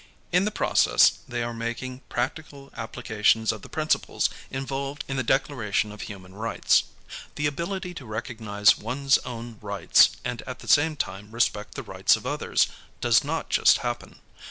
In the process, they are making practical applications of the principles involved in the Declaration of Human Rights. The ability to recognize one's own rights and at the same time respect the rights of others, does not just happen.